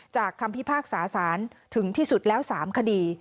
คำพิพากษาสารถึงที่สุดแล้ว๓คดี